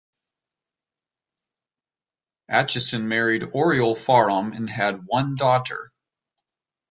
Aitchison married Oriole Faram and had one daughter.